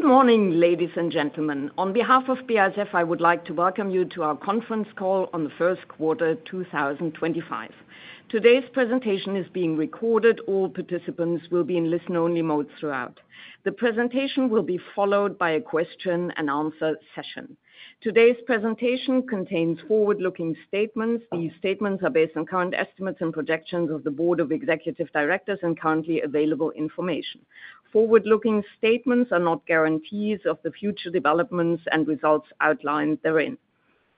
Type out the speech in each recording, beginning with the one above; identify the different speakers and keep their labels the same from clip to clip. Speaker 1: Good morning, ladies and gentlemen. On behalf of BASF, I would like to welcome you to our conference call on the first quarter 2025. Today's presentation is being recorded. All participants will be in listen-only mode throughout. The presentation will be followed by a question-and-answer session. Today's presentation contains forward-looking statements. These statements are based on current estimates and projections of the Board of Executive Directors and currently available information. Forward-looking statements are not guarantees of the future developments and results outlined therein.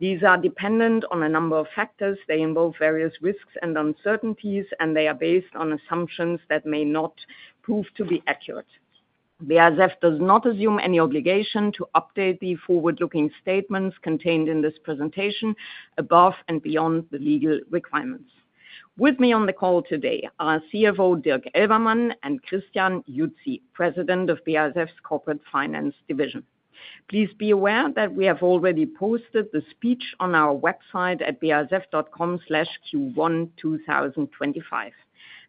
Speaker 1: These are dependent on a number of factors. They involve various risks and uncertainties, and they are based on assumptions that may not prove to be accurate. BASF does not assume any obligation to update the forward-looking statements contained in this presentation above and beyond the legal requirements. With me on the call today are CFO Dirk Elvermann and Christian Jutzi, President of BASF's Corporate Finance Division. Please be aware that we have already posted the speech on our website at basf.com/q1-2025.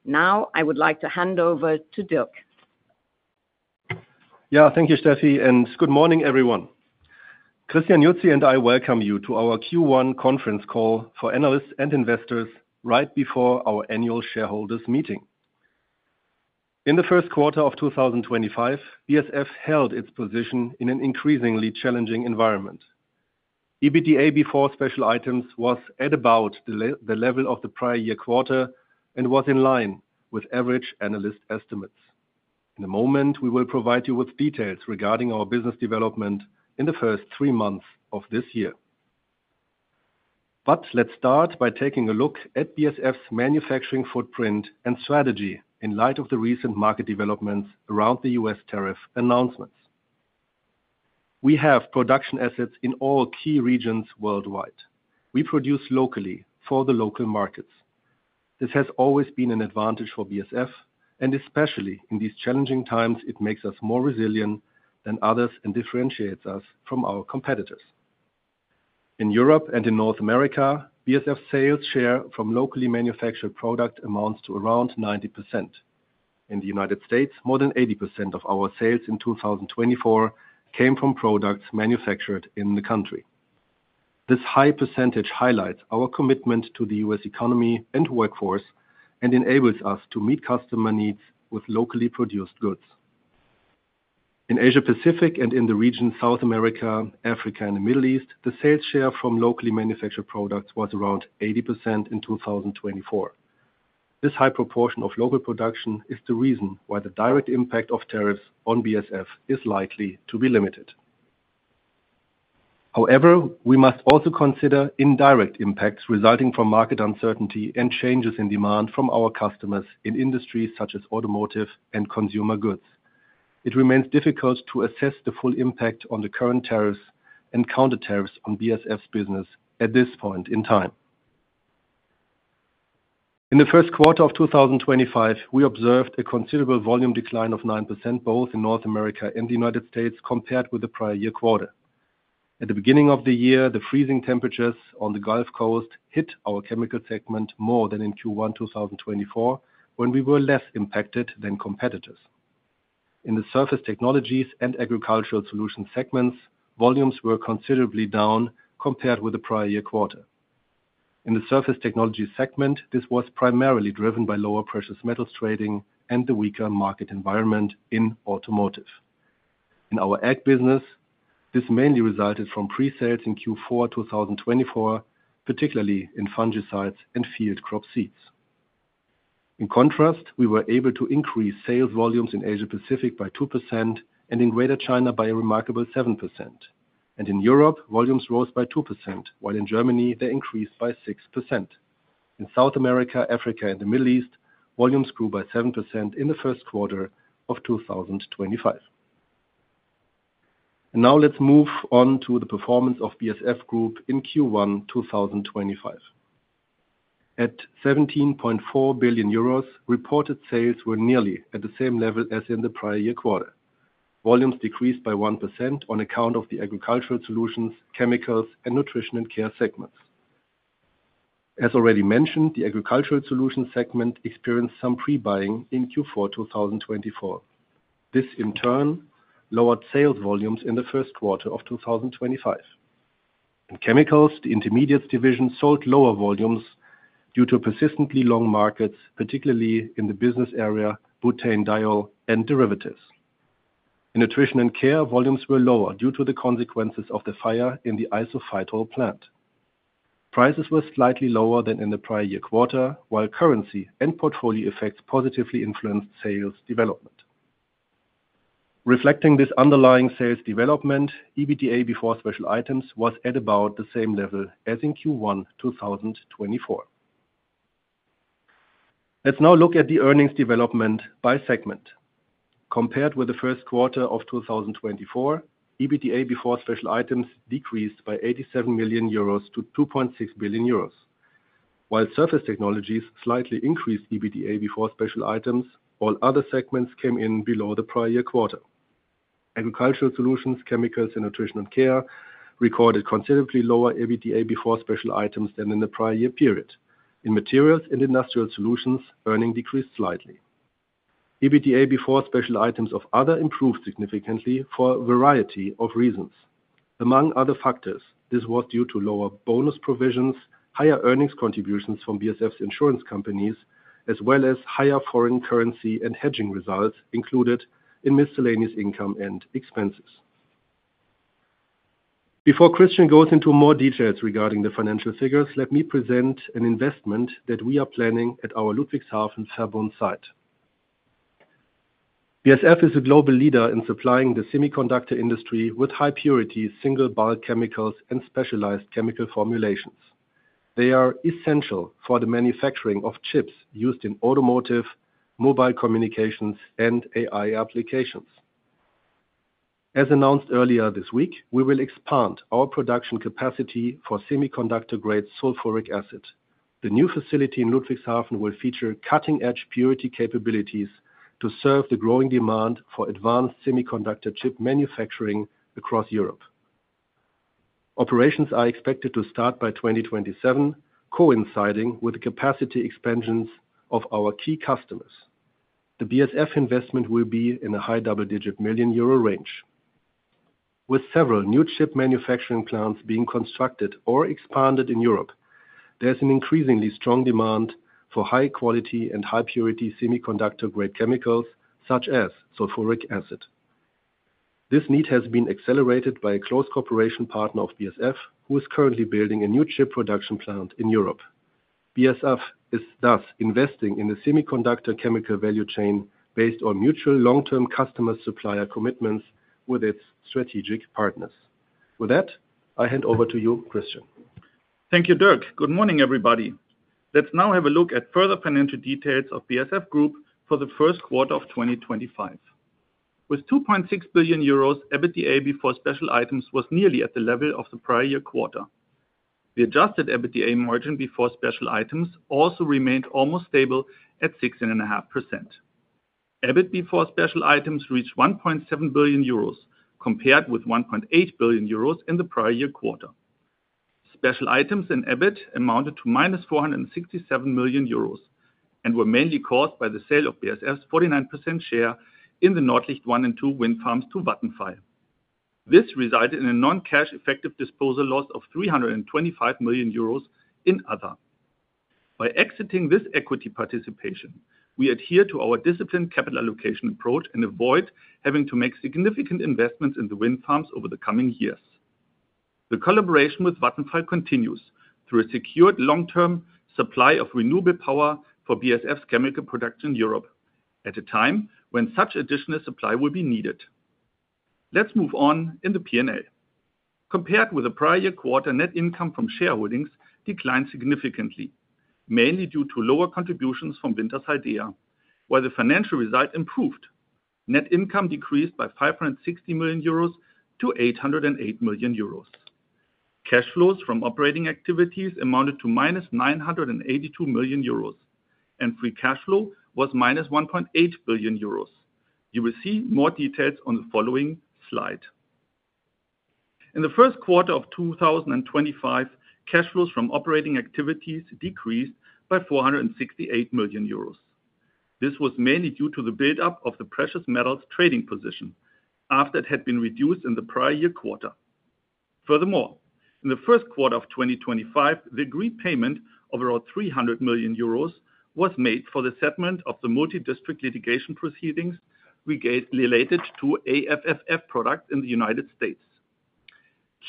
Speaker 1: Now, I would like to hand over to Dirk.
Speaker 2: Yeah, thank you, Steffi, and good morning, everyone. Christian Jutzi and I welcome you to our Q1 conference call for analysts and investors right before our annual shareholders' meeting. In the first quarter of 2025, BASF held its position in an increasingly challenging environment. EBITDA before special items was at about the level of the prior year quarter and was in line with average analyst estimates. In a moment, we will provide you with details regarding our business development in the first three months of this year. Let's start by taking a look at BASF's manufacturing footprint and strategy in light of the recent market developments around the U.S. tariff announcements. We have production assets in all key regions worldwide. We produce locally for the local markets. This has always been an advantage for BASF, and especially in these challenging times, it makes us more resilient than others and differentiates us from our competitors. In Europe and in North America, BASF's sales share from locally manufactured products amounts to around 90%. In the U.S., more than 80% of our sales in 2024 came from products manufactured in the country. This high percentage highlights our commitment to the U.S. economy and workforce and enables us to meet customer needs with locally produced goods. In Asia-Pacific and in the region, South America, Africa, and the Middle East, the sales share from locally manufactured products was around 80% in 2024. This high proportion of local production is the reason why the direct impact of tariffs on BASF is likely to be limited. However, we must also consider indirect impacts resulting from market uncertainty and changes in demand from our customers in industries such as automotive and consumer goods. It remains difficult to assess the full impact on the current tariffs and counter-tariffs on BASF's business at this point in time. In the first quarter of 2025, we observed a considerable volume decline of 9% both in North America and the United States compared with the prior year quarter. At the beginning of the year, the freezing temperatures on the Gulf Coast hit our Chemicals segment more than in Q1 2024, when we were less impacted than competitors. In the Surface Technologies and Agricultural Solutions segments, volumes were considerably down compared with the prior year quarter. In the Surface Technologies segment, this was primarily driven by lower precious metals trading and the weaker market environment in automotive. In our ag business, this mainly resulted from pre-sales in Q4 2024, particularly in fungicides and field crop seeds. In contrast, we were able to increase sales volumes in Asia-Pacific by 2% and in Greater China by a remarkable 7%. In Europe, volumes rose by 2%, while in Germany, they increased by 6%. In South America, Africa, and the Middle East, volumes grew by 7% in the first quarter of 2025. Now let's move on to the performance of BASF Group in Q1 2025. At 17.4 billion euros, reported sales were nearly at the same level as in the prior year quarter. Volumes decreased by 1% on account of the Agricultural Solutions, Chemicals, and Nutrition & Care segments. As already mentioned, the Agricultural Solutions segment experienced some pre-buying in Q4 2024. This, in turn, lowered sales volumes in the first quarter of 2025. In Chemicals, the Intermediates division sold lower volumes due to persistently long markets, particularly in the business area Butanediol and Derivatives. In Nutrition & Care, volumes were lower due to the consequences of the fire in the isophytol plant. Prices were slightly lower than in the prior year quarter, while currency and portfolio effects positively influenced sales development. Reflecting this underlying sales development, EBITDA before special items was at about the same level as in Q1 2024. Let's now look at the earnings development by segment. Compared with the first quarter of 2024, EBITDA before special items decreased by 87 million euros to 2.6 billion euros, while Surface Technologies slightly increased EBITDA before special items. All other segments came in below the prior year quarter. Agricultural Solutions, Chemicals, and Nutrition & Care recorded considerably lower EBITDA before special items than in the prior year period. In Materials and Industrial Solutions, earnings decreased slightly. EBITDA before special items of other improved significantly for a variety of reasons. Among other factors, this was due to lower bonus provisions, higher earnings contributions from BASF's insurance companies, as well as higher foreign currency and hedging results included in miscellaneous income and expenses. Before Christian goes into more details regarding the financial figures, let me present an investment that we are planning at our Ludwigshafen Verbund site. BASF is a global leader in supplying the semiconductor industry with high-purity single-wafer chemicals and specialized chemical formulations. They are essential for the manufacturing of chips used in automotive, mobile communications, and AI applications. As announced earlier this week, we will expand our production capacity for semiconductor-grade sulfuric acid. The new facility in Ludwigshafen will feature cutting-edge purity capabilities to serve the growing demand for advanced semiconductor chip manufacturing across Europe. Operations are expected to start by 2027, coinciding with the capacity expansions of our key customers. The BASF investment will be in a high double-digit million EUR range. With several new chip manufacturing plants being constructed or expanded in Europe, there is an increasingly strong demand for high-quality and high-purity semiconductor-grade chemicals, such as sulfuric acid. This need has been accelerated by a close cooperation partner of BASF, who is currently building a new chip production plant in Europe. BASF is thus investing in the semiconductor chemical value chain based on mutual long-term customer-supplier commitments with its strategic partners. With that, I hand over to you, Christian.
Speaker 3: Thank you, Dirk. Good morning, everybody. Let's now have a look at further financial details of BASF Group for the first quarter of 2025. With 2.6 billion euros, EBITDA before special items was nearly at the level of the prior year quarter. The Adjusted EBITDA margin before special items also remained almost stable at 6.5%. EBIT before special items reached 1.7 billion euros, compared with 1.8 billion euros in the prior year quarter. Special items in EBIT amounted to 467 million euros and were mainly caused by the sale of BASF's 49% share in the Nordlicht 1 and 2 wind farms to Vattenfall. This resulted in a non-cash effective disposal loss of 325 million euros in other. By exiting this equity participation, we adhere to our disciplined capital allocation approach and avoid having to make significant investments in the wind farms over the coming years. The collaboration with Vattenfall continues through a secured long-term supply of renewable power for BASF's chemical production in Europe at a time when such additional supply will be needed. Let's move on in the P&L. Compared with the prior year quarter, net income from shareholdings declined significantly, mainly due to lower contributions from Wintershall Dea, while the financial result improved. Net income decreased by 560 million euros to 808 million euros. Cash flows from operating activities amounted to 982 million euros, and free cash flow was 1.8 billion euros. You will see more details on the following slide. In the first quarter of 2025, cash flows from operating activities decreased by 468 million euros. This was mainly due to the build-up of the precious metals trading position, after it had been reduced in the prior year quarter. Furthermore, in the first quarter of 2025, the agreed payment of around 300 million euros was made for the settlement of the multi-district litigation proceedings related to AFFF products in the United States.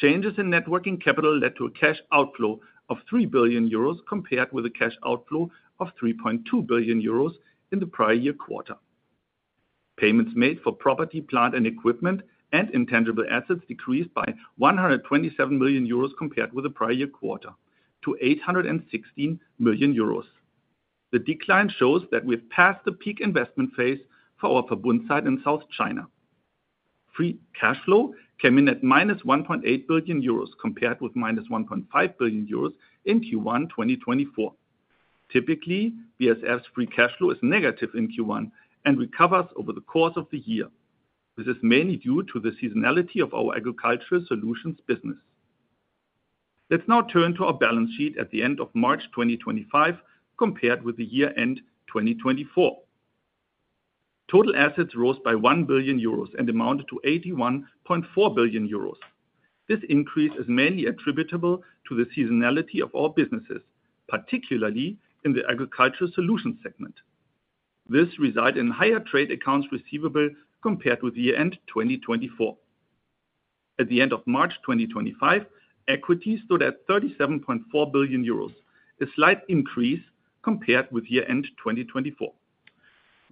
Speaker 3: Changes in working capital led to a cash outflow of 3 billion euros compared with a cash outflow of 3.2 billion euros in the prior year quarter. Payments made for property, plant, and equipment and intangible assets decreased by 127 million euros compared with the prior year quarter to 816 million euros. The decline shows that we have passed the peak investment phase for our Zhanjiang site in South China. Free cash flow came in at 1.8 billion euros compared with 1.5 billion euros in Q1 2024. Typically, BASF's free cash flow is negative in Q1 and recovers over the course of the year. This is mainly due to the seasonality of our Agricultural Solutions business. Let's now turn to our balance sheet at the end of March 2025 compared with the year-end 2024. Total assets rose by 1 billion euros and amounted to 81.4 billion euros. This increase is mainly attributable to the seasonality of our businesses, particularly in the Agricultural Solutions segment. This resulted in higher trade accounts receivable compared with year-end 2024. At the end of March 2025, equities stood at 37.4 billion euros, a slight increase compared with year-end 2024.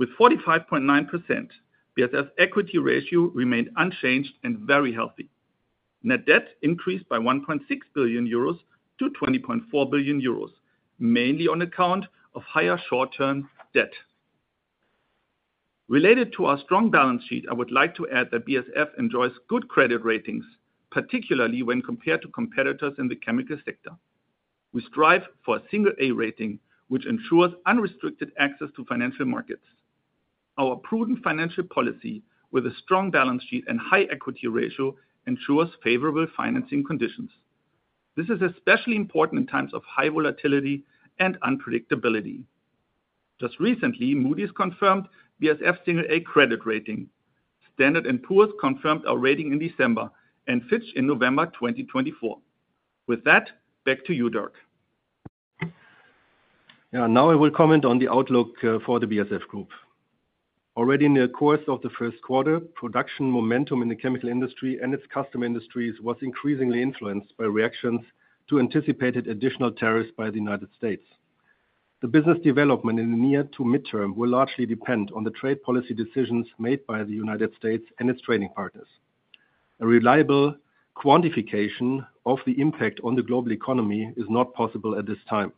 Speaker 3: With 45.9%, BASF's equity ratio remained unchanged and very healthy. Net debt increased by 1.6 billion euros to 20.4 billion euros, mainly on account of higher short-term debt. Related to our strong balance sheet, I would like to add that BASF enjoys good credit ratings, particularly when compared to competitors in the chemical sector. We strive for a single-A rating, which ensures unrestricted access to financial markets. Our prudent financial policy with a strong balance sheet and high equity ratio ensures favorable financing conditions. This is especially important in times of high volatility and unpredictability. Just recently, Moody's confirmed BASF's single-A credit rating. S&P Global Ratings confirmed our rating in December and Fitch Ratings in November 2024. With that, back to you, Dirk.
Speaker 2: Yeah, now I will comment on the outlook for the BASF Group. Already in the course of the first quarter, production momentum in the chemical industry and its customer industries was increasingly influenced by reactions to anticipated additional tariffs by the United States. The business development in the near to midterm will largely depend on the trade policy decisions made by the United States and its trading partners. A reliable quantification of the impact on the global economy is not possible at this time.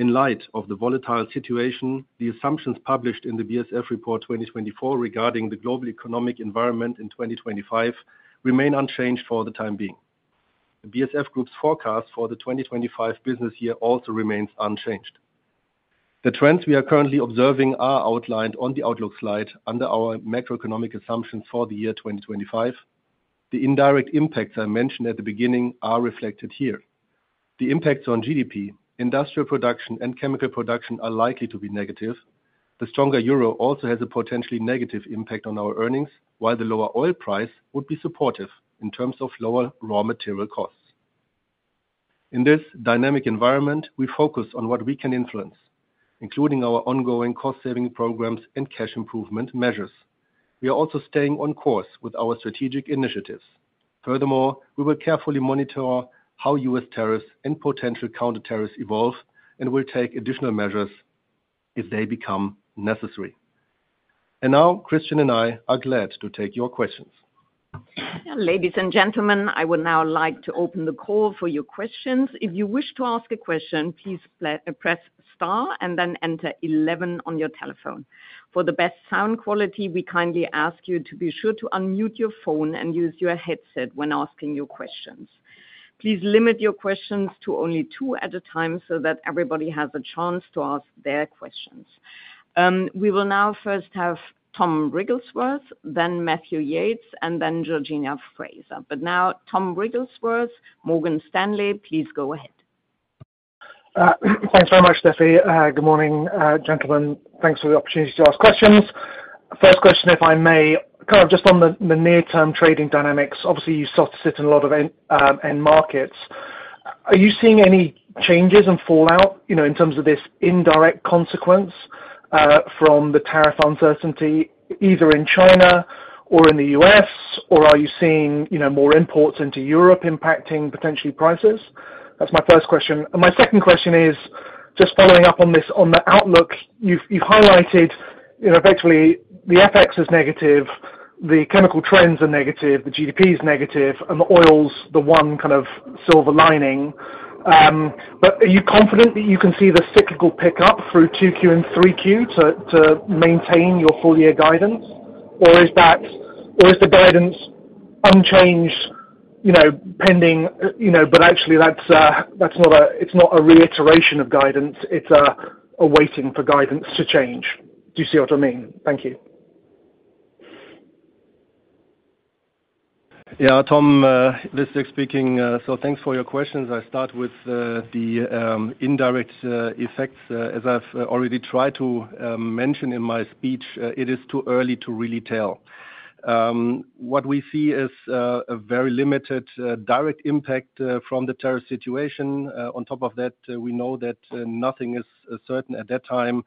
Speaker 2: In light of the volatile situation, the assumptions published in the BASF Report 2024 regarding the global economic environment in 2025 remain unchanged for the time being. The BASF Group's forecast for the 2025 business year also remains unchanged. The trends we are currently observing are outlined on the outlook slide under our macroeconomic assumptions for the year 2025. The indirect impacts I mentioned at the beginning are reflected here. The impacts on GDP, industrial production, and chemical production are likely to be negative. The stronger euro also has a potentially negative impact on our earnings, while the lower oil price would be supportive in terms of lower raw material costs. In this dynamic environment, we focus on what we can influence, including our ongoing cost-saving programs and cash improvement measures. We are also staying on course with our strategic initiatives. Furthermore, we will carefully monitor how U.S. tariffs and potential counter-tariffs evolve and will take additional measures if they become necessary. Christian and I are glad to take your questions.
Speaker 1: Ladies and gentlemen, I would now like to open the call for your questions. If you wish to ask a question, please press star and then enter one one on your telephone. For the best sound quality, we kindly ask you to be sure to unmute your phone and use your headset when asking your questions. Please limit your questions to only two at a time so that everybody has a chance to ask their questions. We will now first have Tom Wrigglesworth, then Matthew Yates, and then Georgina Fraser. Now, Tom Wrigglesworth, Morgan Stanley, please go ahead.
Speaker 4: Thanks very much, Steffi. Good morning, gentlemen. Thanks for the opportunity to ask questions. First question, if I may, kind of just on the near-term trading dynamics. Obviously, you start to sit in a lot of end markets. Are you seeing any changes in fallout in terms of this indirect consequence from the tariff uncertainty, either in China or in the U.S., or are you seeing more imports into Europe impacting potentially prices? That's my first question. My second question is just following up on this, on the outlook. You've highlighted effectively the FX is negative, the chemical trends are negative, the GDP is negative, and the oil's the one kind of silver lining. Are you confident that you can see the cyclical pickup through Q2 and Q3 to maintain your full-year guidance, or is the guidance unchanged pending, but actually, it's not a reiteration of guidance, it's a waiting for guidance to change? Do you see what I mean? Thank you.
Speaker 2: Yeah, Tom, Dirk speaking. Thanks for your questions. I start with the indirect effects. As I've already tried to mention in my speech, it is too early to really tell. What we see is a very limited direct impact from the tariff situation. On top of that, we know that nothing is certain at that time.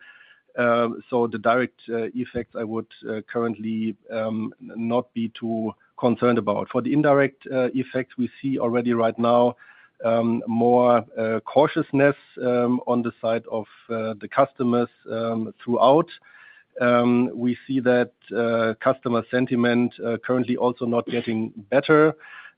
Speaker 2: The direct effects, I would currently not be too concerned about. For the indirect effects, we see already right now more cautiousness on the side of the customers throughout. We see that customer sentiment currently also not getting better.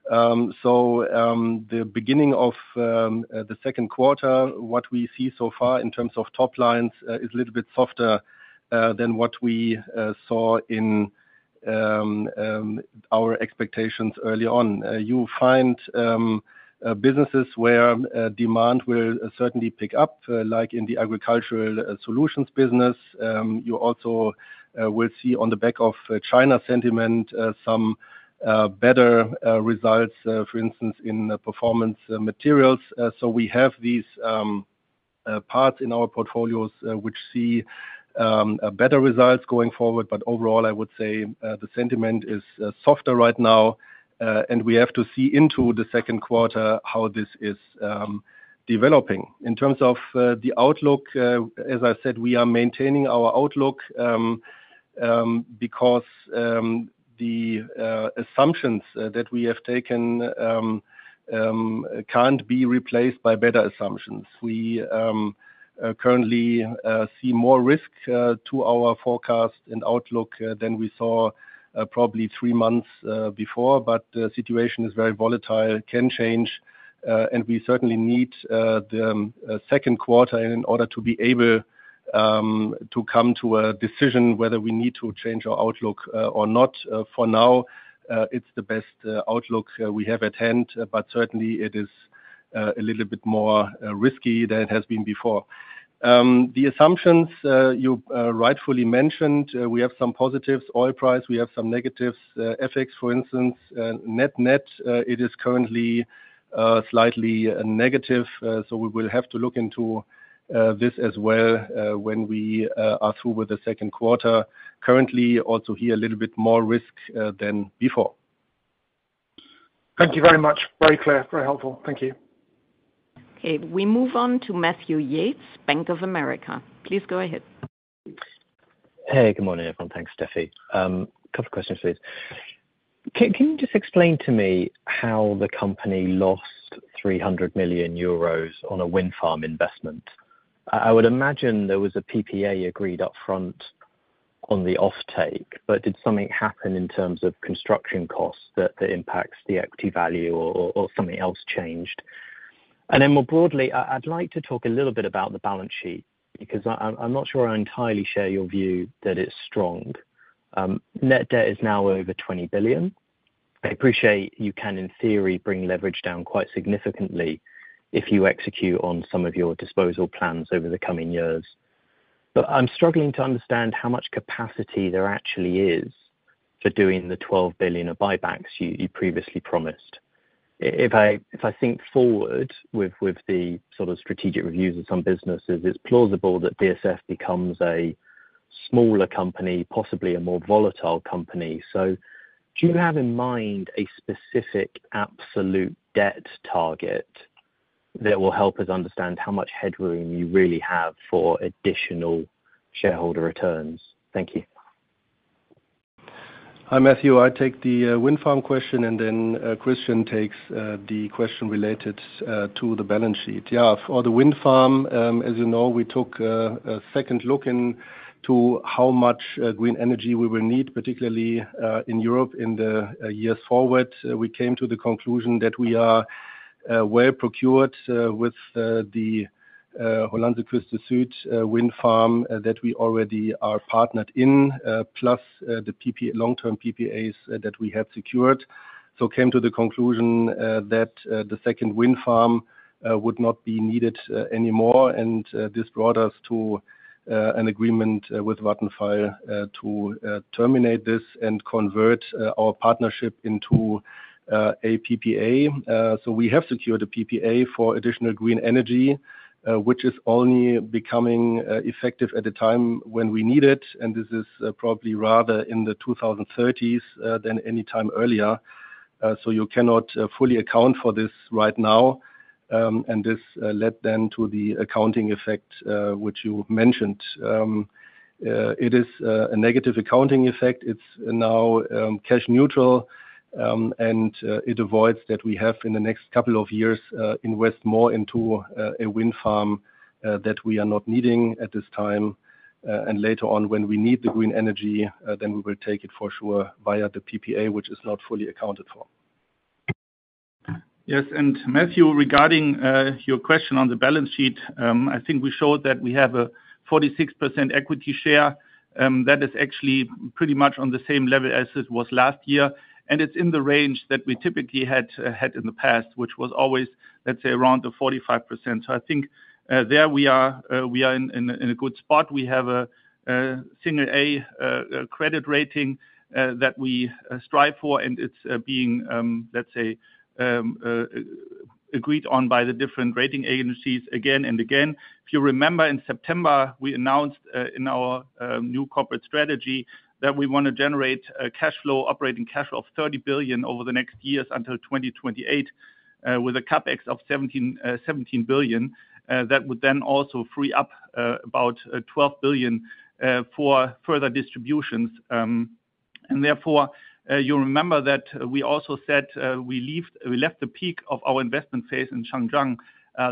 Speaker 2: The beginning of the second quarter, what we see so far in terms of top lines is a little bit softer than what we saw in our expectations early on. You find businesses where demand will certainly pick up, like in the Agricultural Solutions business. You also will see on the back of China sentiment some better results, for instance, in performance materials. We have these parts in our portfolios which see better results going forward. Overall, I would say the sentiment is softer right now, and we have to see into the second quarter how this is developing. In terms of the outlook, as I said, we are maintaining our outlook because the assumptions that we have taken can't be replaced by better assumptions. We currently see more risk to our forecast and outlook than we saw probably three months before, but the situation is very volatile, can change, and we certainly need the second quarter in order to be able to come to a decision whether we need to change our outlook or not. For now, it's the best outlook we have at hand, but certainly it is a little bit more risky than it has been before. The assumptions you rightfully mentioned, we have some positives, oil price, we have some negatives. FX, for instance, net net, it is currently slightly negative. We will have to look into this as well when we are through with the second quarter. Currently, also here a little bit more risk than before.
Speaker 4: Thank you very much. Very clear, very helpful. Thank you.
Speaker 1: Okay, we move on to Matthew Yates, Bank of America. Please go ahead.
Speaker 5: Hey, good morning, everyone. Thanks, Steffi. A couple of questions, please. Can you just explain to me how the company lost 300 million euros on a wind farm investment? I would imagine there was a PPA agreed upfront on the offtake, but did something happen in terms of construction costs that impacts the equity value or something else changed? More broadly, I'd like to talk a little bit about the balance sheet because I'm not sure I entirely share your view that it's strong. Net debt is now over 20 billion. I appreciate you can, in theory, bring leverage down quite significantly if you execute on some of your disposal plans over the coming years. I'm struggling to understand how much capacity there actually is for doing the 12 billion of buybacks you previously promised. If I think forward with the sort of strategic reviews of some businesses, it's plausible that BASF becomes a smaller company, possibly a more volatile company. Do you have in mind a specific absolute debt target that will help us understand how much headroom you really have for additional shareholder returns? Thank you.
Speaker 2: Hi, Matthew. I take the wind farm question, and then Christian takes the question related to the balance sheet. Yeah, for the wind farm, as you know, we took a second look into how much green energy we will need, particularly in Europe in the years forward. We came to the conclusion that we are well procured with the Hollandse Kust Zuid wind farm that we already are partnered in, plus the long-term PPAs that we have secured. We came to the conclusion that the second wind farm would not be needed anymore, and this brought us to an agreement with Vattenfall to terminate this and convert our partnership into a PPA. We have secured a PPA for additional green energy, which is only becoming effective at a time when we need it, and this is probably rather in the 2030s than any time earlier. You cannot fully account for this right now, and this led then to the accounting effect which you mentioned. It is a negative accounting effect. It is now cash neutral, and it avoids that we have in the next couple of years invest more into a wind farm that we are not needing at this time. Later on, when we need the green energy, then we will take it for sure via the PPA, which is not fully accounted for.
Speaker 3: Yes, and Matthew, regarding your question on the balance sheet, I think we showed that we have a 46% equity share. That is actually pretty much on the same level as it was last year, and it is in the range that we typically had in the past, which was always, let's say, around the 45%. I think there we are in a good spot. We have a single-A credit rating that we strive for, and it's being, let's say, agreed on by the different rating agencies again and again. If you remember, in September, we announced in our new corporate strategy that we want to generate operating cash flow of 30 billion over the next years until 2028 with a CapEx of 17 billion that would then also free up about 12 billion for further distributions. Therefore, you remember that we also said we left the peak of our investment phase in Zhanjiang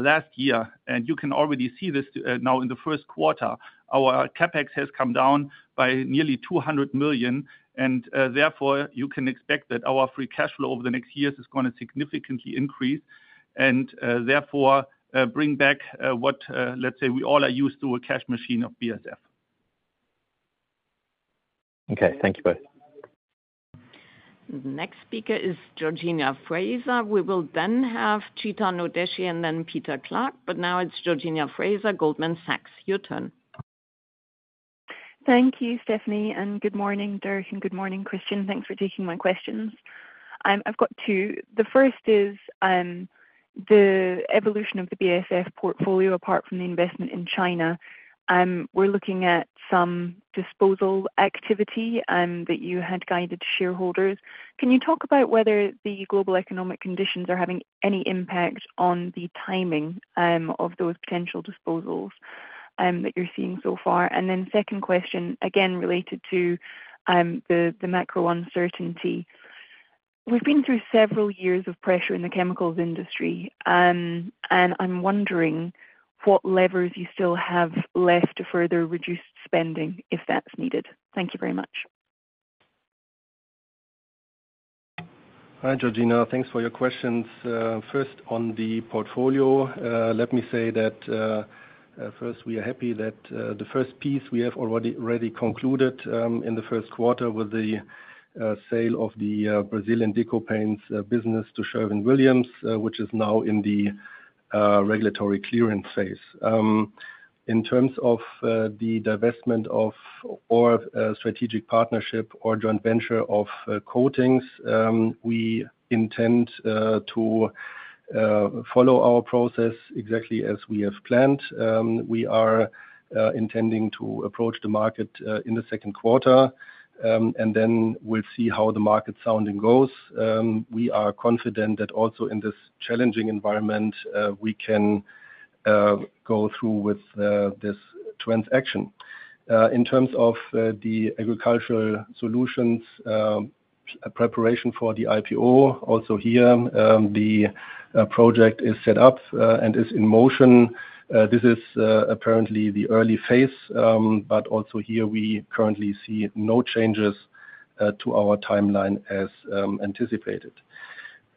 Speaker 3: last year, and you can already see this now in the first quarter. Our CapEx has come down by nearly 200 million, and therefore, you can expect that our free cash flow over the next years is going to significantly increase and therefore bring back what, let's say, we all are used to, a cash machine of BASF.
Speaker 5: Okay, thank you both.
Speaker 1: The next speaker is Georgina Fraser. We will then have Chetan Udeshi, and then Peter Clark, but now it's Georgina Fraser, Goldman Sachs. Your turn.
Speaker 6: Thank you, Steffi, and good morning, Dirk, and good morning, Christian. Thanks for taking my questions. I've got two. The first is the evolution of the BASF portfolio apart from the investment in China. We're looking at some disposal activity that you had guided to shareholders. Can you talk about whether the global economic conditions are having any impact on the timing of those potential disposals that you're seeing so far? The second question, again related to the macro uncertainty. We've been through several years of pressure in the chemicals industry, and I'm wondering what levers you still have left to further reduce spending if that's needed. Thank you very much.
Speaker 2: Hi, Georgina. Thanks for your questions. First, on the portfolio, let me say that first, we are happy that the first piece we have already concluded in the first quarter with the sale of the Brazilian Deco Paints business to Sherwin-Williams, which is now in the regulatory clearance phase. In terms of the divestment of our strategic partnership or joint venture of Coatings, we intend to follow our process exactly as we have planned. We are intending to approach the market in the second quarter, and then we'll see how the market sounding goes. We are confident that also in this challenging environment, we can go through with this transaction. In terms of the Agricultural Solutions, preparation for the IPO, also here, the project is set up and is in motion. This is apparently the early phase, but also here we currently see no changes to our timeline as anticipated.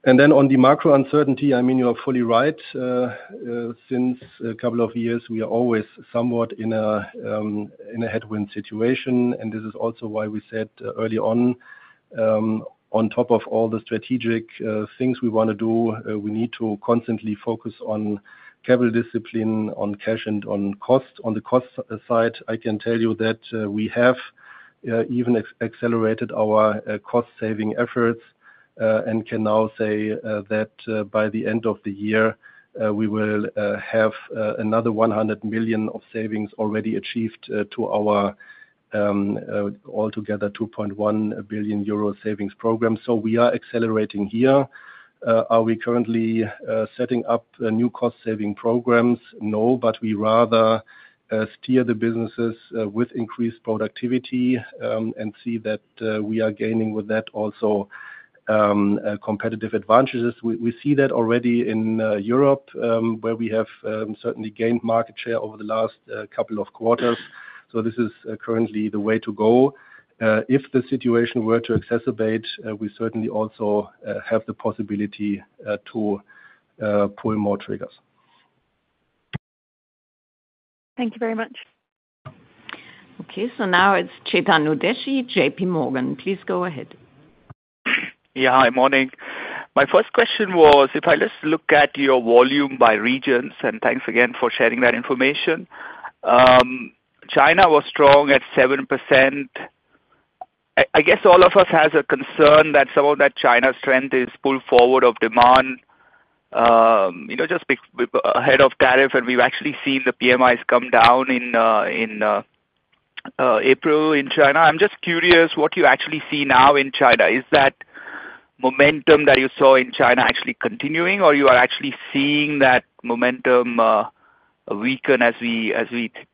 Speaker 2: I mean, you are fully right. Since a couple of years, we are always somewhat in a headwind situation, and this is also why we said early on, on top of all the strategic things we want to do, we need to constantly focus on capital discipline, on cash, and on cost. On the cost side, I can tell you that we have even accelerated our cost-saving efforts and can now say that by the end of the year, we will have another 100 million of savings already achieved to our altogether 2.1 billion euro savings program. We are accelerating here. Are we currently setting up new cost-saving programs? No, but we rather steer the businesses with increased productivity and see that we are gaining with that also competitive advantages. We see that already in Europe, where we have certainly gained market share over the last couple of quarters. This is currently the way to go. If the situation were to exacerbate, we certainly also have the possibility to pull more triggers.
Speaker 6: Thank you very much.
Speaker 1: Okay, so now it's Chetan Udeshi, JPMorgan. Please go ahead.
Speaker 7: Yeah, hi, morning. My first question was if I just look at your volume by regions, and thanks again for sharing that information. China was strong at 7%. I guess all of us have a concern that some of that China strength is pulled forward of demand just ahead of tariff, and we've actually seen the PMIs come down in April in China. I'm just curious what you actually see now in China. Is that momentum that you saw in China actually continuing, or you are actually seeing that momentum weaken as we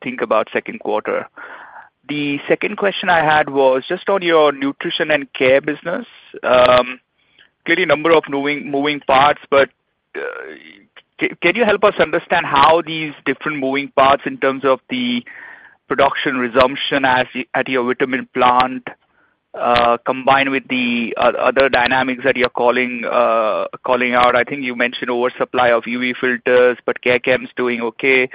Speaker 7: think about second quarter? The second question I had was just on your Nutrition & Care business. Clearly, a number of moving parts, but can you help us understand how these different moving parts in terms of the production resumption at your vitamin plant combined with the other dynamics that you're calling out? I think you mentioned oversupply of UV filters, but Care Chemicals is doing okay.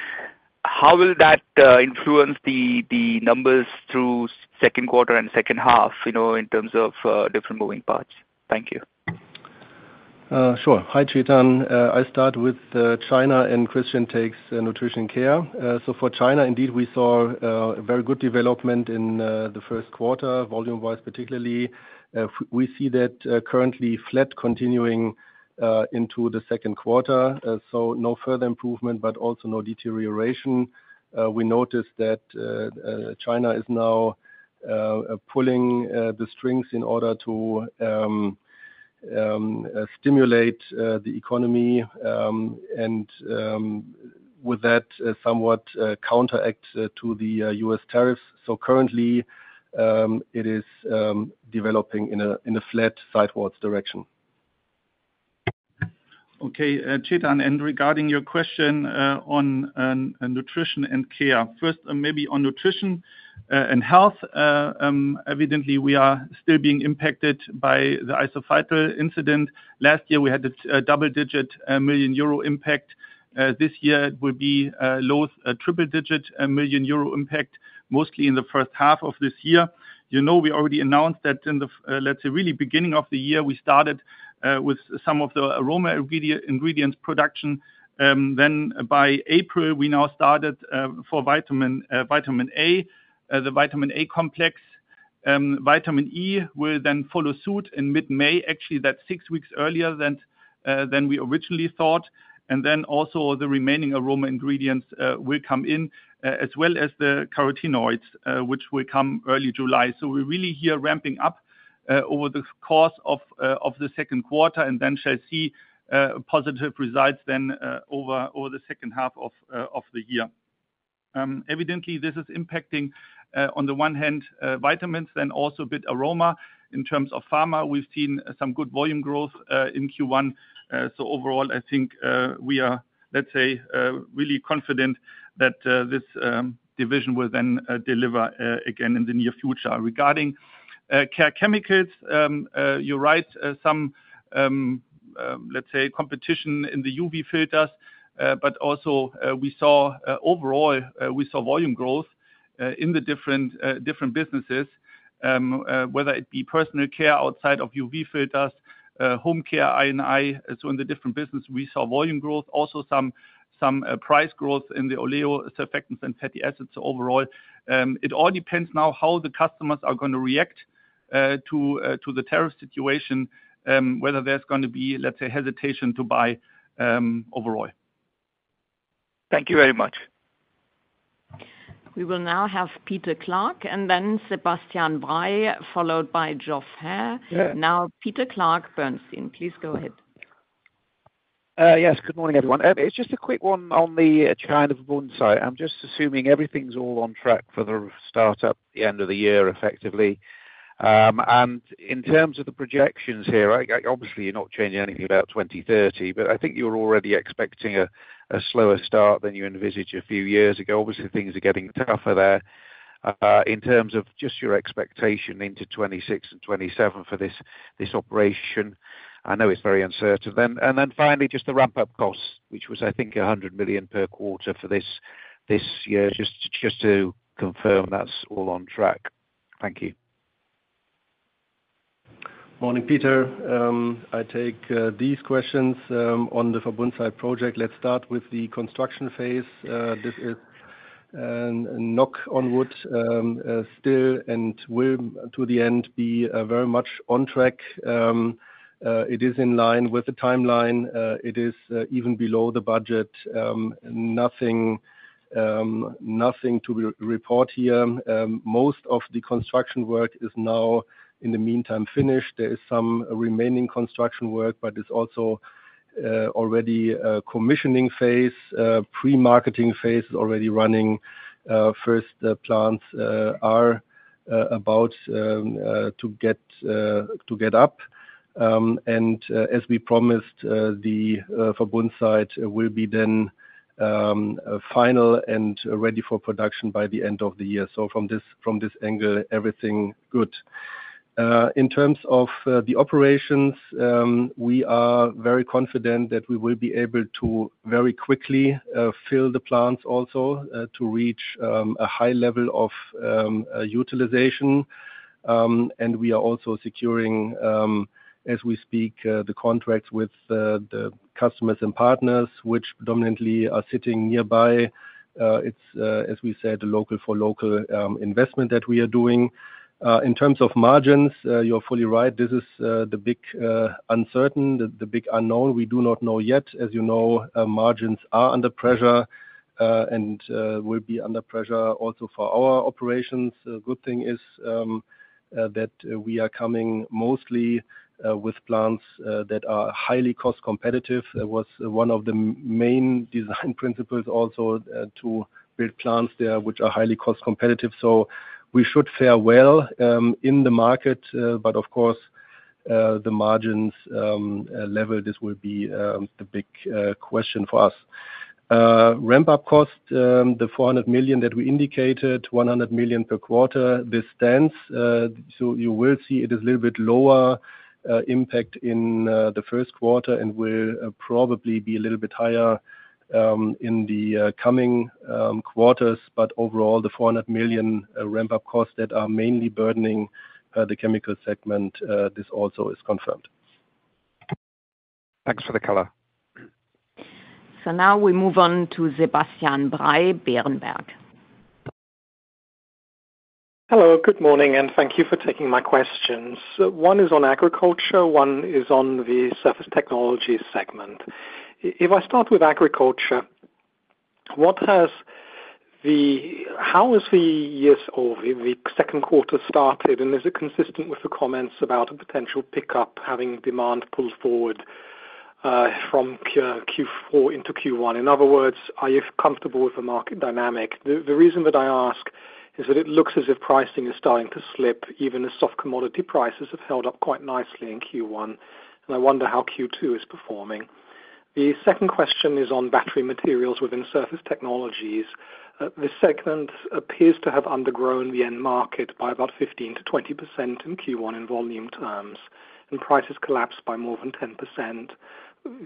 Speaker 7: How will that influence the numbers through second quarter and second half in terms of different moving parts? Thank you.
Speaker 2: Sure. Hi, Chetan. I start with China, and Christian takes Nutrition & Care. For China, indeed, we saw very good development in the first quarter, volume-wise particularly. We see that currently flat continuing into the second quarter. No further improvement, but also no deterioration. We noticed that China is now pulling the strings in order to stimulate the economy and with that somewhat counteract to the U.S. tariffs. Currently, it is developing in a flat sidewards direction.
Speaker 3: Okay, Chetan, regarding your question on Nutrition & Care, first, maybe on Nutrition & Health, evidently, we are still being impacted by the isophytol incident. Last year, we had a double-digit million EUR impact. This year, it will be low triple-digit million EUR impact, mostly in the first half of this year. You know we already announced that in the, let's say, really beginning of the year, we started with some of the Aroma Ingredients production. Then by April, we now started for vitamin A, the vitamin A complex. Vitamin E will then follow suit in mid-May, actually that's six weeks earlier than we originally thought. Also the remaining Aroma Ingredients will come in, as well as the carotenoids, which will come early July. We are really here ramping up over the course of the second quarter and then shall see positive results then over the second half of the year. Evidently, this is impacting on the one hand vitamins, then also a bit aroma. In terms of pharma, we've seen some good volume growth in Q1. Overall, I think we are, let's say, really confident that this division will then deliver again in the near future. Regarding care chemicals, you write some, let's say, competition in the UV filters, but also we saw overall, we saw volume growth in the different businesses, whether it be Personal Care outside of UV filters, Home Care, I&I. In the different business, we saw volume growth, also some price growth in the oleo surfactants and fatty acids. Overall, it all depends now how the customers are going to react to the tariff situation, whether there's going to be, let's say, hesitation to buy overall.
Speaker 7: Thank you very much.
Speaker 1: We will now have Peter Clark and then Sebastian Bray, followed by Geoff Haire. Now Peter Clark Bernstein, please go ahead.
Speaker 8: Yes, good morning everyone. It's just a quick one on the China Verbund. I'm just assuming everything's all on track for the startup at the end of the year effectively. In terms of the projections here, obviously you're not changing anything about 2030, but I think you're already expecting a slower start than you envisaged a few years ago. Obviously, things are getting tougher there in terms of just your expectation into 2026 and 2027 for this operation. I know it's very uncertain. Finally, just the ramp-up costs, which was, I think, 100 million per quarter for this year, just to confirm that's all on track. Thank you.
Speaker 2: Morning, Peter. I take these questions on the Verbund site project. Let's start with the construction phase. This is a knock on wood still and will to the end be very much on track. It is in line with the timeline. It is even below the budget. Nothing to report here. Most of the construction work is now in the meantime finished. There is some remaining construction work, but it's also already commissioning phase. Pre-marketing phase is already running. First plants are about to get up. As we promised, the Verbund site will be then final and ready for production by the end of the year. From this angle, everything good. In terms of the operations, we are very confident that we will be able to very quickly fill the plants also to reach a high level of utilization. We are also securing, as we speak, the contracts with the customers and partners, which predominantly are sitting nearby. It is, as we said, a local for local investment that we are doing. In terms of margins, you are fully right. This is the big uncertain, the big unknown. We do not know yet. As you know, margins are under pressure and will be under pressure also for our operations. Good thing is that we are coming mostly with plants that are highly cost competitive. It was one of the main design principles also to build plants there, which are highly cost competitive. We should fare well in the market, but of course, the margins level, this will be the big question for us. Ramp-up cost, the 400 million that we indicated, 100 million per quarter, this stands. You will see it is a little bit lower impact in the first quarter and will probably be a little bit higher in the coming quarters. Overall, the 400 million ramp-up costs that are mainly burdening the Chemicals segment, this also is confirmed.
Speaker 8: Thanks for the color.
Speaker 1: Now we move on to Sebastian Bray, Berenberg.
Speaker 9: Hello, good morning, and thank you for taking my questions. One is on agriculture, one is on the surface technology segment. If I start with agriculture, how has the second quarter started, and is it consistent with the comments about a potential pickup, having demand pulled forward from Q4 into Q1? In other words, are you comfortable with the market dynamic? The reason that I ask is that it looks as if pricing is starting to slip, even as soft commodity prices have held up quite nicely in Q1, and I wonder how Q2 is performing. The second question is on Battery Materials within Surface Technologies. This segment appears to have undergrown the end market by about 15%-20% in Q1 in volume terms, and prices collapsed by more than 10%.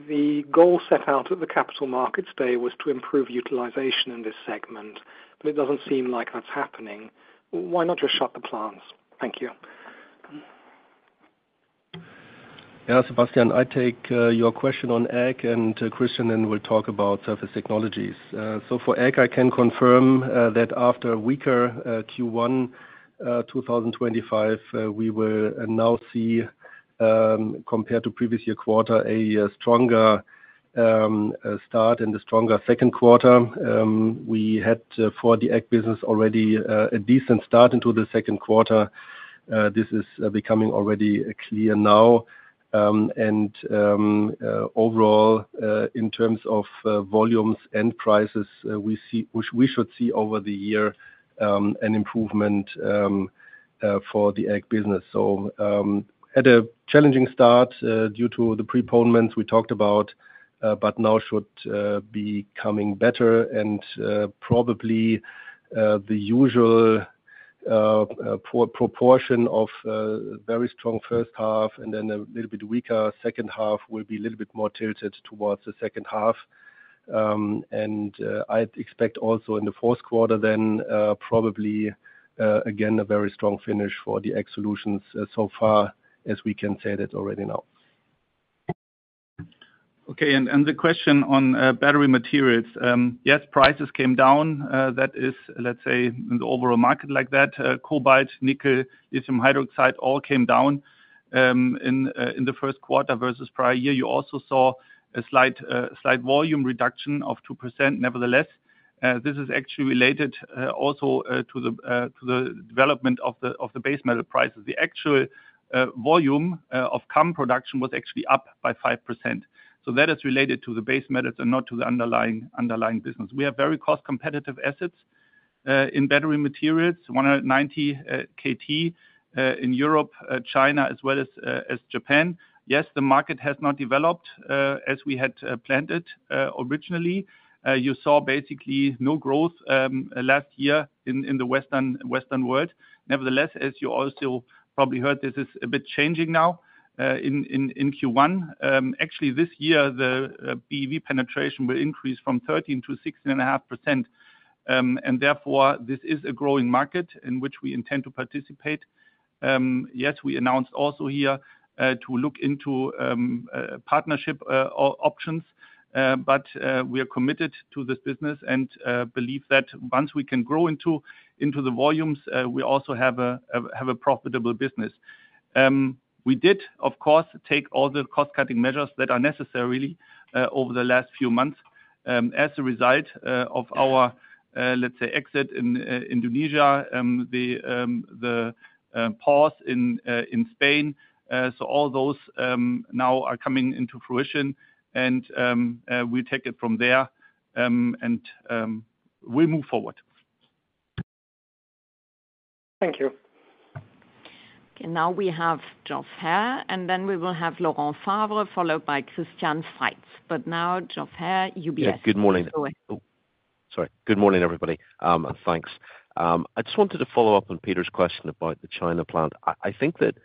Speaker 9: The goal set out at the capital markets day was to improve utilization in this segment, but it does not seem like that is happening. Why not just shut the plants? Thank you.
Speaker 2: Yeah, Sebastian, I take your question on ag, and Christian then will talk about Surface Technologies. For ag, I can confirm that after a weaker Q1 2025, we will now see, compared to previous year quarter, a stronger start and a stronger second quarter. We had for the ag business already a decent start into the second quarter. This is becoming already clear now. Overall, in terms of volumes and prices, we should see over the year an improvement for the ag business. Had a challenging start due to the preponements we talked about, but now should be coming better. Probably the usual proportion of very strong first half and then a little bit weaker second half will be a little bit more tilted towards the second half. I expect also in the fourth quarter then probably again a very strong finish for the ag solutions so far as we can say that already now.
Speaker 3: Okay, the question on Battery Materials. Yes, prices came down. That is, let's say, in the overall market like that, cobalt, nickel, lithium hydroxide all came down in the first quarter versus prior year. You also saw a slight volume reduction of 2%. Nevertheless, this is actually related also to the development of the base metal prices. The actual volume of CAM production was actually up by 5%. That is related to the base metals and not to the underlying business. We have very cost competitive assets in Battery Materials, 190 KT in Europe, China, as well as Japan. Yes, the market has not developed as we had planned it originally. You saw basically no growth last year in the Western world. Nevertheless, as you also probably heard, this is a bit changing now in Q1. Actually, this year, the BEV penetration will increase from 13%-16.5%. Therefore, this is a growing market in which we intend to participate. Yes, we announced also here to look into partnership options, but we are committed to this business and believe that once we can grow into the volumes, we also have a profitable business. We did, of course, take all the cost-cutting measures that are necessary over the last few months. As a result of our, let's say, exit in Indonesia, the pause in Spain, all those now are coming into fruition, and we take it from there and we move forward.
Speaker 9: Thank you.
Speaker 1: Okay, now we have Geoff Haire, and then we will have Laurent Favre followed by Christian Faitz. Now Geoff Haire, UBS.
Speaker 10: Yes, good morning. Sorry, good morning everybody. Thanks. I just wanted to follow up on Peter's question about the China plant. I think that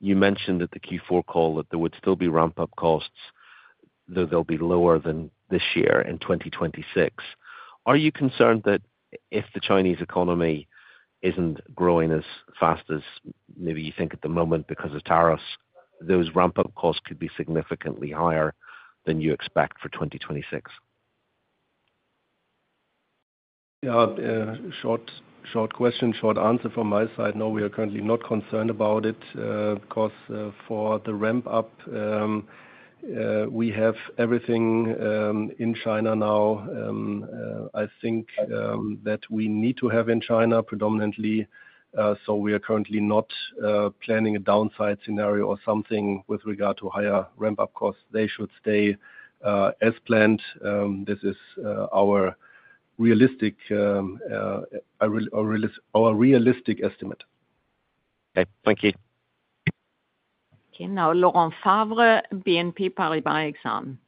Speaker 10: you mentioned at the Q4 call that there would still be ramp-up costs, though they'll be lower than this year in 2026. Are you concerned that if the Chinese economy isn't growing as fast as maybe you think at the moment because of tariffs, those ramp-up costs could be significantly higher than you expect for 2026?
Speaker 2: Yeah, short question, short answer from my side. No, we are currently not concerned about it because for the ramp-up, we have everything in China now. I think that we need to have in China predominantly. So we are currently not planning a downside scenario or something with regard to higher ramp-up costs. They should stay as planned. This is our realistic estimate.
Speaker 10: Okay, thank you.
Speaker 1: Okay, now Laurent Favre, BNP Paribas Exane.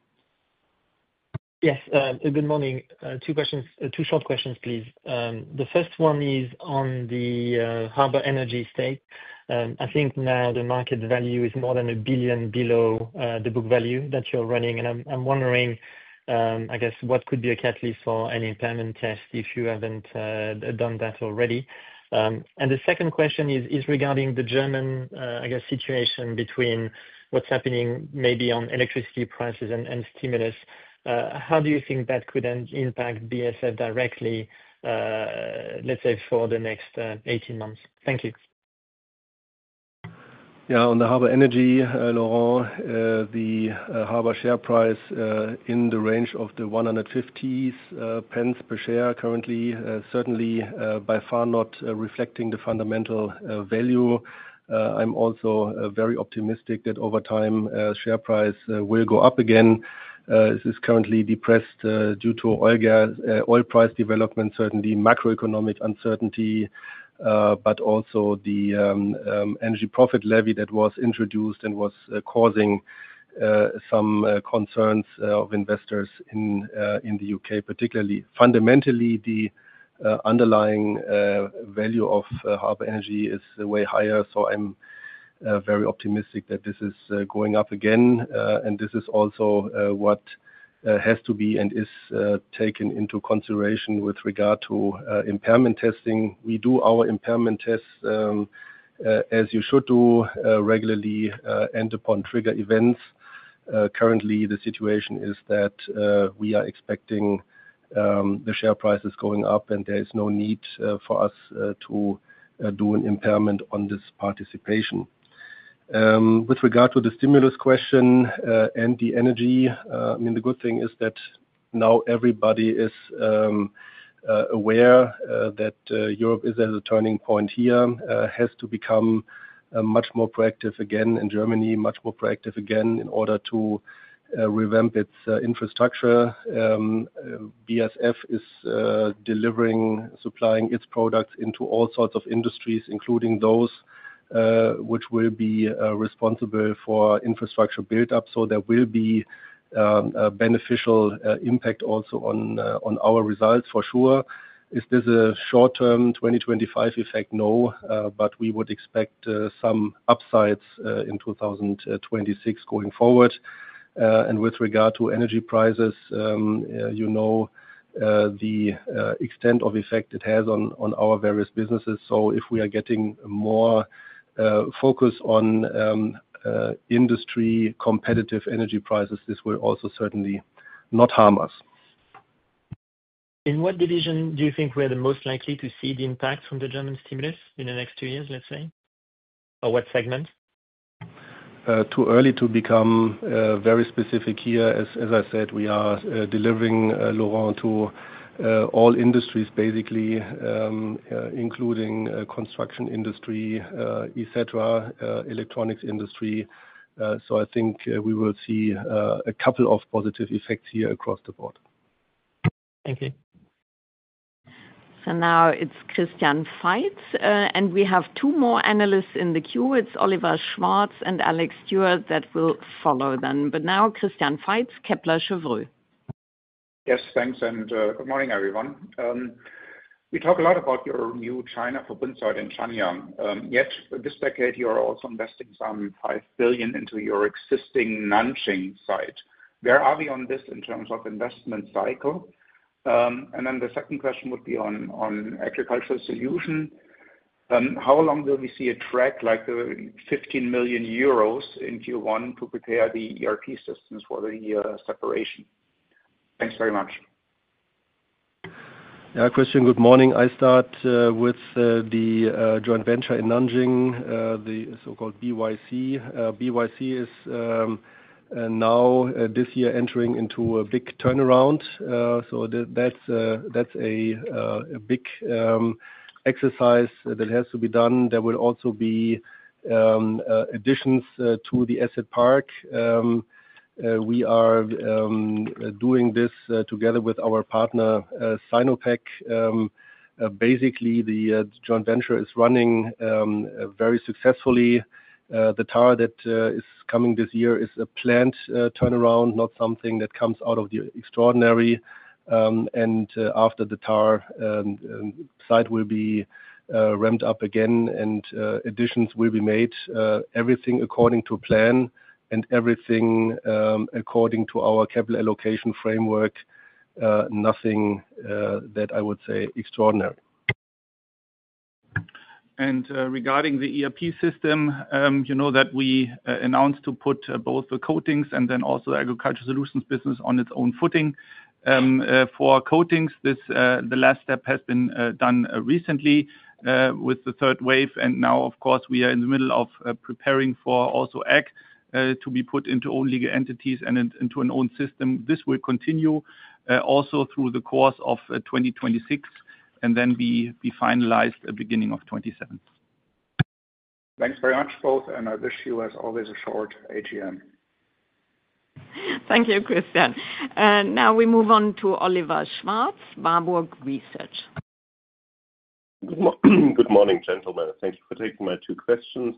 Speaker 11: Yes, good morning. Two short questions, please. The first one is on the Harbour Energy estate. I think now the market value is more than $1 billion below the book value that you're running. I am wondering, I guess, what could be a catalyst for any impairment test if you haven't done that already. The second question is regarding the German, I guess, situation between what's happening maybe on electricity prices and stimulus. How do you think that could impact BASF directly, let's say, for the next 18 months? Thank you.
Speaker 2: Yeah, on the Harbour Energy, Laurent, the Harbour share price in the range of 150 pence per share currently, certainly by far not reflecting the fundamental value. I am also very optimistic that over time share price will go up again. This is currently depressed due to oil price development, certainly macroeconomic uncertainty, but also the energy profit levy that was introduced and was causing some concerns of investors in the U.K., particularly. Fundamentally, the underlying value of Harbour Energy is way higher. I am very optimistic that this is going up again. This is also what has to be and is taken into consideration with regard to impairment testing. We do our impairment tests, as you should do, regularly and upon trigger events. Currently, the situation is that we are expecting the share prices going up, and there is no need for us to do an impairment on this participation. With regard to the stimulus question and the energy, I mean, the good thing is that now everybody is aware that Europe is at a turning point here, has to become much more proactive again in Germany, much more proactive again in order to revamp its infrastructure. BASF is delivering, supplying its products into all sorts of industries, including those which will be responsible for infrastructure build-up. There will be a beneficial impact also on our results for sure. Is this a short-term 2025 effect? No, but we would expect some upsides in 2026 going forward. With regard to energy prices, you know the extent of effect it has on our various businesses. If we are getting more focus on industry competitive energy prices, this will also certainly not harm us.
Speaker 11: In what division do you think we are the most likely to see the impact from the German stimulus in the next two years, let's say? Or what segment?
Speaker 2: Too early to become very specific here. As I said, we are delivering, Laurent, to all industries basically, including construction industry, etc., electronics industry. I think we will see a couple of positive effects here across the board.
Speaker 11: Thank you.
Speaker 1: Now it is Christian Faitz, and we have two more analysts in the queue. It is Oliver Schwartz and Alex Stewart that will follow then. Now Christian Faitz, Kepler Cheuvreux.
Speaker 12: Yes, thanks, and good morning everyone. We talk a lot about your new China Verbund and Zhanjiang. Yet this decade, you are also investing some 5 billion into your existing Nanjing site. Where are we on this in terms of investment cycle? The second question would be on Agricultural Solutions. How long will we see a track like the 15 million euros in Q1 to prepare the ERP systems for the separation? Thanks very much.
Speaker 2: Yeah, Christian, good morning. I start with the joint venture in Nanjing, the so-called BYC. BYC is now this year entering into a big turnaround. That is a big exercise that has to be done. There will also be additions to the asset park. We are doing this together with our partner Sinopec. Basically, the joint venture is running very successfully. The turnaround that is coming this year is a planned turnaround, not something that comes out of the extraordinary. After the turnaround, the site will be ramped up again and additions will be made. Everything according to plan and everything according to our capital allocation framework, nothing that I would say extraordinary. Regarding the ERP system, you know that we announced to put both the Coatings and then also the Agricultural Solutions business on its own footing. For Coatings, the last step has been done recently with the third wave. Now, of course, we are in the middle of preparing for also ag to be put into own legal entities and into an own system. This will continue also through the course of 2026 and then be finalized at the beginning of 2027.
Speaker 12: Thanks very much both, and I wish you as always a short AGM.
Speaker 1: Thank you, Christian. Now we move on to Oliver Schwartz, Warburg Research.
Speaker 13: Good morning, gentlemen. Thank you for taking my two questions.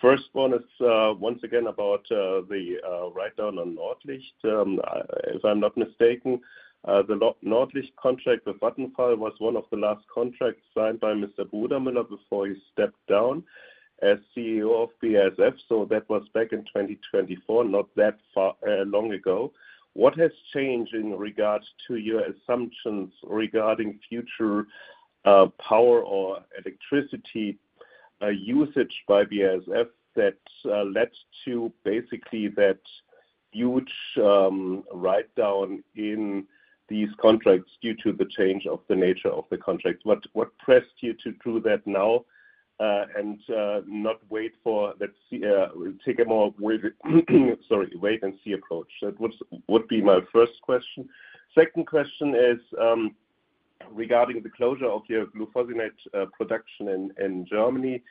Speaker 13: First one is once again about the write-down on Nordlicht. If I'm not mistaken, the Nordlicht contract with Vattenfall was one of the last contracts signed by Mr. Brudermueller before he stepped down as CEO of BASF. That was back in 2024, not that long ago. What has changed in regard to your assumptions regarding future power or electricity usage by BASF that led to basically that huge write-down in these contracts due to the change of the nature of the contract? What pressed you to do that now and not wait for that, take a more wait and see approach? That would be my first question. Second question is regarding the closure of your glufosinate production in Germany.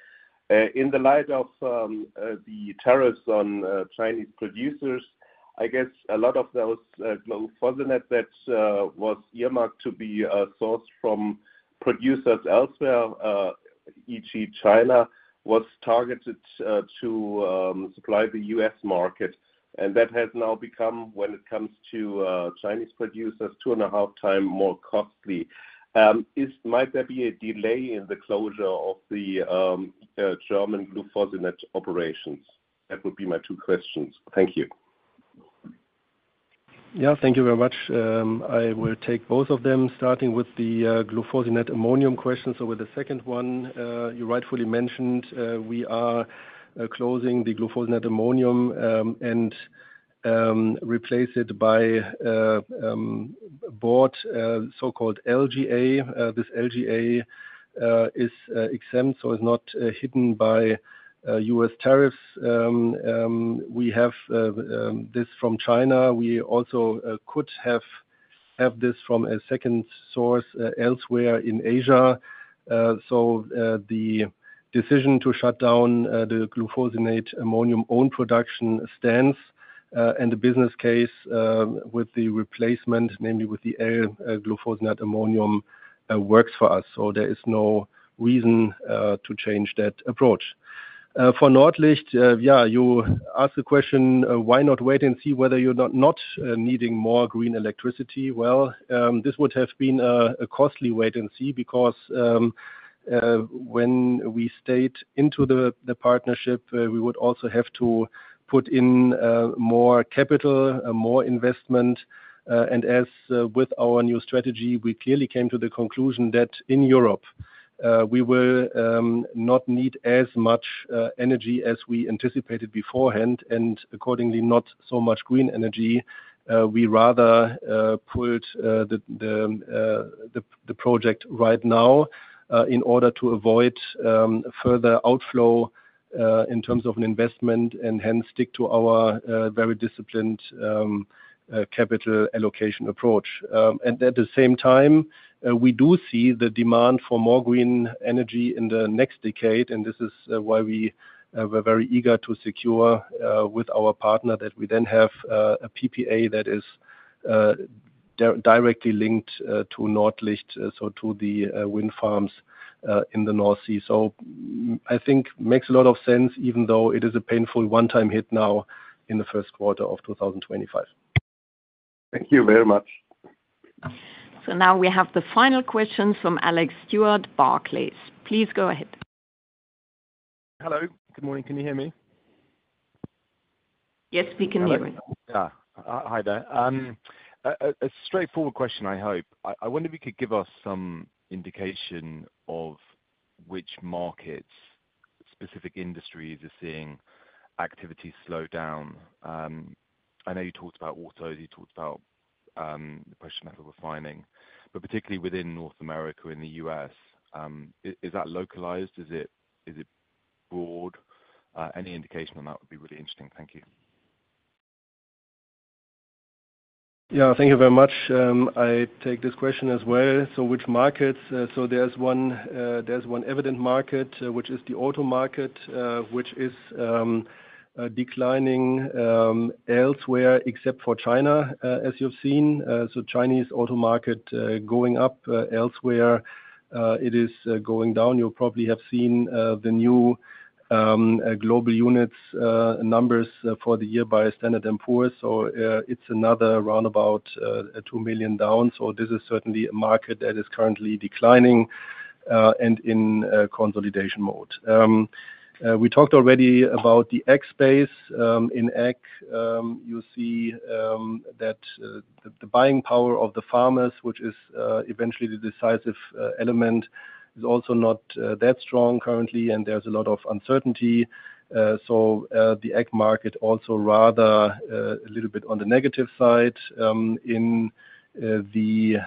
Speaker 13: In the light of the tariffs on Chinese producers, I guess a lot of those glufosinate that was earmarked to be sourced from producers elsewhere, e.g., China, was targeted to supply the US market. That has now become, when it comes to Chinese producers, two and a half times more costly. Might there be a delay in the closure of the German glufosinate operations? That would be my two questions. Thank you.
Speaker 2: Yeah, thank you very much. I will take both of them, starting with the glufosinate ammonium question. With the second one, you rightfully mentioned we are closing the glufosinate ammonium and replace it by bought so-called LGA. This LGA is exempt, so it is not hit by U.S. tariffs. We have this from China. We also could have this from a second source elsewhere in Asia. The decision to shut down the glufosinate ammonium own production stands, and the business case with the replacement, namely with the L-glufosinate ammonium, works for us. There is no reason to change that approach. For Nordlicht, you asked the question, why not wait and see whether you are not needing more green electricity? This would have been a costly wait and see because when we stayed into the partnership, we would also have to put in more capital, more investment. With our new strategy, we clearly came to the conclusion that in Europe, we will not need as much energy as we anticipated beforehand, and accordingly, not so much green energy. We rather pulled the project right now in order to avoid further outflow in terms of investment and hence stick to our very disciplined capital allocation approach. At the same time, we do see the demand for more green energy in the next decade, and this is why we were very eager to secure with our partner that we then have a PPA that is directly linked to Nordlicht, to the wind farms in the North Sea. I think it makes a lot of sense, even though it is a painful one-time hit now in the first quarter of 2025.
Speaker 13: Thank you very much.
Speaker 1: Now we have the final questions from Alex Stewart, Barclays. Please go ahead.
Speaker 14: Hello, good morning. Can you hear me?
Speaker 1: Yes, we can hear you.
Speaker 14: Yeah, hi there. A straightforward question, I hope. I wonder if you could give us some indication of which markets, specific industries are seeing activity slow down. I know you talked about autos, you talked about the question of refining, but particularly within North America and the U.S. Is that localized? Is it broad? Any indication on that would be really interesting. Thank you.
Speaker 2: Yeah, thank you very much. I take this question as well. Which markets? There is one evident market, which is the auto market, which is declining elsewhere except for China, as you have seen. The Chinese auto market is going up; elsewhere, it is going down. You probably have seen the new global units numbers for the year by Standard & Poor's. It is another roundabout 2 million down. This is certainly a market that is currently declining and in consolidation mode. We talked already about the ag space. In ag, you see that the buying power of the farmers, which is eventually the decisive element, is also not that strong currently, and there is a lot of uncertainty. The ag market is also rather a little bit on the negative side. In the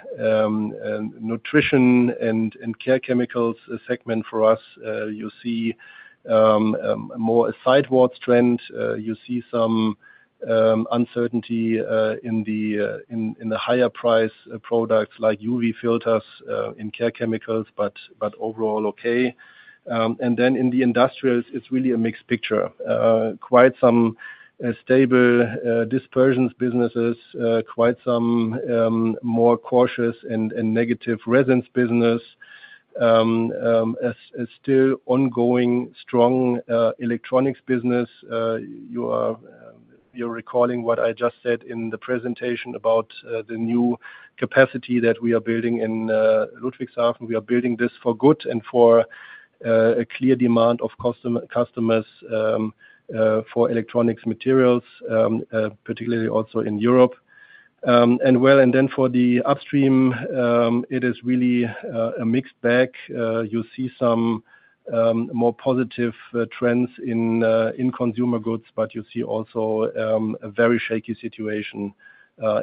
Speaker 2: Nutrition & Care Chemicals segment for us, you see more a sidewards trend. You see some uncertainty in the higher price products like UV filters in Care Chemicals, but overall okay. In the industrials, it is really a mixed picture. Quite some stable dispersions businesses, quite some more cautious and negative resins business. Still ongoing strong electronics business. You are recalling what I just said in the presentation about the new capacity that we are building in Ludwigshafen. We are building this for good and for a clear demand of customers for electronics materials, particularly also in Europe. For the upstream, it is really a mixed bag. You see some more positive trends in consumer goods, but you see also a very shaky situation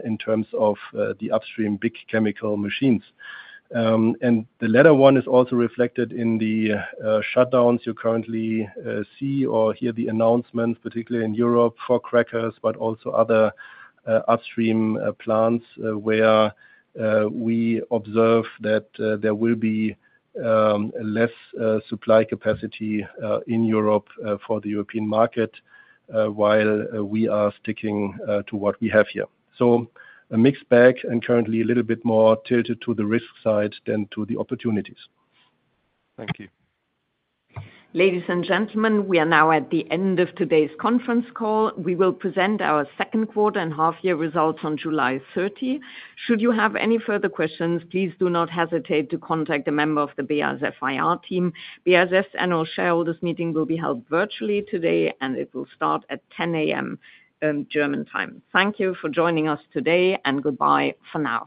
Speaker 2: in terms of the upstream big chemical machines. The latter one is also reflected in the shutdowns you currently see or hear the announcements, particularly in Europe for crackers, but also other upstream plants where we observe that there will be less supply capacity in Europe for the European market while we are sticking to what we have here. It is a mixed bag and currently a little bit more tilted to the risk side than to the opportunities.
Speaker 14: Thank you.
Speaker 1: Ladies and gentlemen, we are now at the end of today's conference call. We will present our second quarter and half-year results on July 30. Should you have any further questions, please do not hesitate to contact a member of the BASF IR team. BASF's annual shareholders meeting will be held virtually today, and it will start at 10:00 A.M. German time. Thank you for joining us today, and goodbye for now.